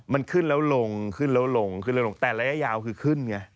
มันขึ้นแล้วลงขึ้นแล้วลงขึ้นแล้วลงแต่ระยะยาวคือขึ้นไง